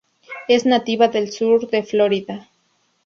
Es nativa del sur de Florida.